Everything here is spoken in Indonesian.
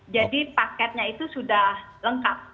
jadi paketnya itu sudah lengkap